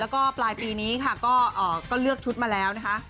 แล้วก็ปลายปีนี้ค่ะก็เลือกชุดมาแล้วนะคะ